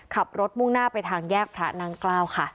มุ่งหน้าไปทางแยกพระนางเกล้าค่ะ